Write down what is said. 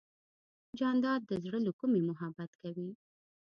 جانداد د زړه له کومې محبت کوي.